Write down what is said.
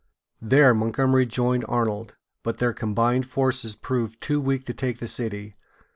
There Montgomery joined Arnold; but their combined forces proved too weak to take the city.